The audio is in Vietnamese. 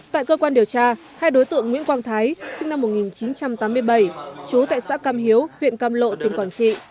tại cơ quan điều tra hai đối tượng nguyễn quang thái sinh năm một nghìn chín trăm tám mươi bảy chú tại xã cam hiếu huyện cam lộ tỉnh quảng trị